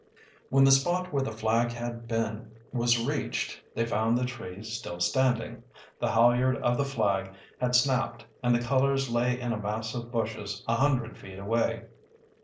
When the spot where the flag had been was reached they found the tree still standing. The halyard of the flag had snapped and the colors lay in a mass of bushes a hundred feet away.